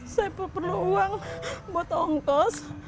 saya perlu uang buat ongkos